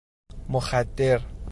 مخدر